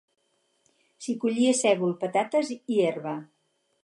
S'hi collia sègol, patates i herba.